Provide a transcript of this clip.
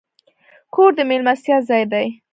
کور د میلمستیا ځای دی.